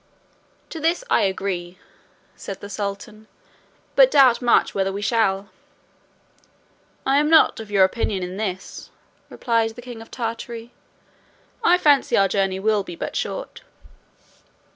"To this I agree," said the sultan, "but doubt much whether we shall." "I am not of your opinion in this," replied the king of Tartary; "I fancy our journey will be but short."